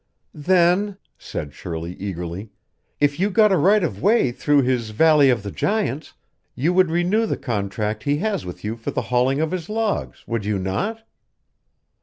"Then," said Shirley eagerly, "if you got a right of way through his Valley of the Giants, you would renew the contract he has with you for the hauling of his logs, would you not?"